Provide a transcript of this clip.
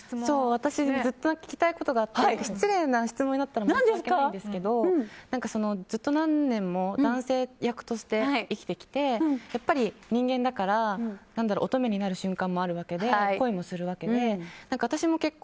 私、ずっと聞きたいことがあって失礼な質問になったら申し訳ないんですけどずっと何年も男性役として生きてきて、人間だから乙女になる瞬間もあるわけで恋もするわけで私